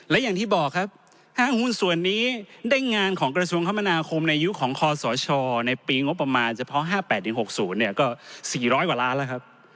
และอย่างที่บอกครับห้างหุ้นส่วนนี้ได้งานของกระทรวงคมนาคมในยุคของคอสชในปีงบประมาณเฉพาะ๕๘๖๐ก็๔๐๐กว่าล้านแล้วครับ